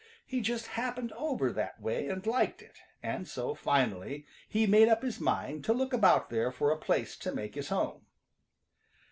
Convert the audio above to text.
He just happened over that way and liked it, and so finally he made up his mind to look about there for a place to make his home.